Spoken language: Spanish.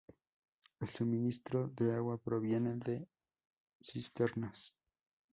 El suministro de agua proviene de cisternas.